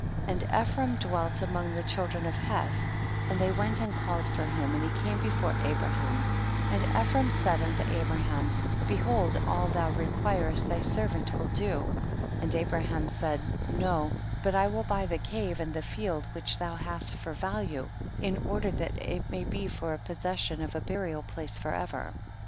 5. And Ephron dwelt among the children of Heth, and they went and called for him, and he came before Abraham, and Ephron said unto Abraham, behold all thou requirest thy servant will do ; and Abraham said, no, but I will buy the cave and the field which thou hast for value, in order that it may he for a posses sion of a burial place for ever.